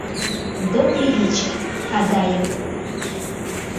Добрый вечер, Адаев!